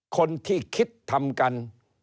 คนที่คิดทำกัน